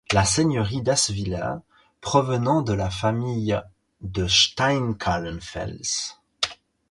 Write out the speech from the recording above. La seigneurie d'Asswiller, provenant de la famille de Steinkallenfels.